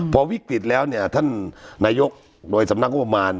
พอวิกฤตแล้วเนี่ยท่านนายกโดยสำนักงบประมาณ